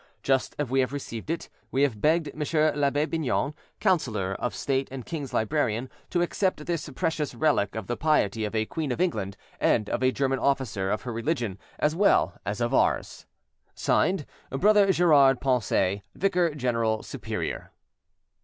Just as we have received it, we have begged M. L'abbe Bignon, councillor of state and king's librarian, to accept this precious relic of the piety of a Queen of England, and of a German officer of her religion as well as of ours. "(Signed)BROTHER GERARD PONCET, "Vicar General Superior."